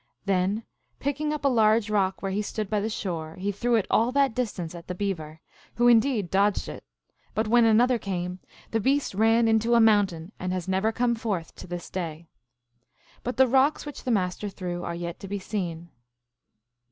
Then picking up a large rock where he stood by the shore, he threw it all that GLOOSKAP THE DIVINITY. 21 distance at the Beaver, who indeed dodged it ; but when another came, the beast ran into a mountain, and has never come forth to this day. But the rocks which the master threw are yet to be seen.